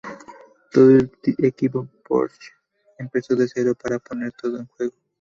Todo el equipo Porsche empezó de cero para poner todo en juego.